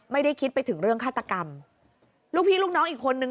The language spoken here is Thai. ไม่ได้คิดไปถึงเรื่องฆาตกรรมลูกพี่ลูกน้องอีกคนนึง